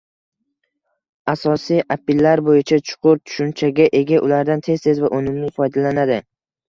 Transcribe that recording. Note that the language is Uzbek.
Asosiy apilar bo’yicha chuqur tushunchaga ega, ulardan tez-tez va unumli foydalanadi